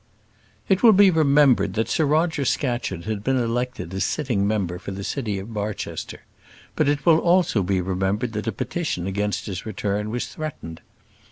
It will be remembered that Sir Roger Scatcherd had been elected as sitting member for the city of Barchester; but it will also be remembered that a petition against his return was threatened.